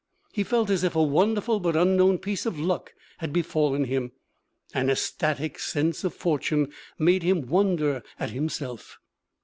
He felt as if a wonderful but unknown piece of luck had befallen him. An ecstatic sense of fortune made him wonder at himself.